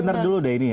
kita dulu deh ini ya